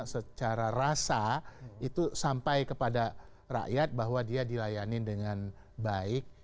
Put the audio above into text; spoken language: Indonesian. secara rasa itu sampai kepada rakyat bahwa dia dilayani dengan baik